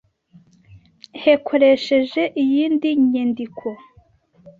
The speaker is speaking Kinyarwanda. hekoresheje iyi nyendiko.